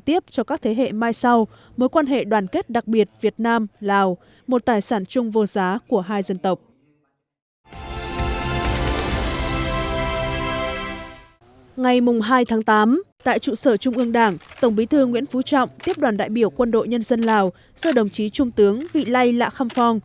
tiếp đoàn đại biểu quân đội nhân dân lào do đồng chí trung tướng vị lây lạ khăm phong